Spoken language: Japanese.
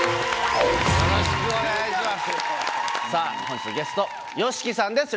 本日のゲストＹＯＳＨＩＫＩさんです